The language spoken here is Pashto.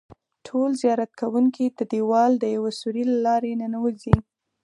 ټول زیارت کوونکي د دیوال د یوه سوري له لارې ننوځي.